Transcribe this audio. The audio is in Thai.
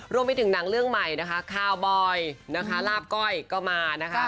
รวมไปถึงหนังเรื่องใหม่นะคะคาวบอยนะคะลาบก้อยก็มานะคะ